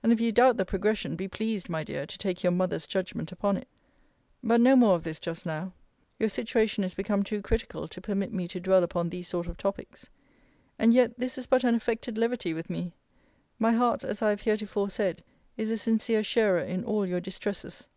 And if you doubt the progression, be pleased, my dear, to take your mother's judgment upon it. But no more of this just now. Your situation is become too critical to permit me to dwell upon these sort of topics. And yet this is but an affected levity with me. My heart, as I have heretofore said, is a sincere sharer in all your distresses.